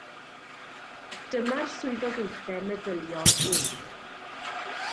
Dyma'r swyddogaethau meddyliol uwch.